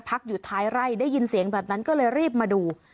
อยู่ท้ายไร่ได้ยินเสียงแบบนั้นก็เลยรีบมาดู